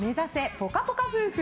ぽかぽか夫婦！